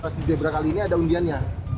pas zebra kali ini ada undiannya